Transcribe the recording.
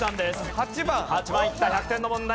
８番いった１００点の問題。